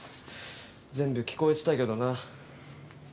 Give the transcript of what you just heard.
全部聞こえてたけどな。